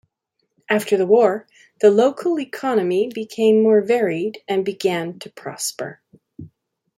After the war, the local economy became more varied and began to prosper.